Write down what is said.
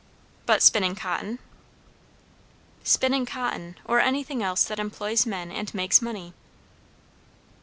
"But spinning cotton?" "Spinning cotton, or anything else that employs men and makes money."